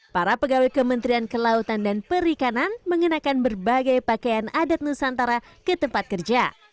para pegawai kementerian kelautan dan perikanan mengenakan berbagai pakaian adat nusantara ke tempat kerja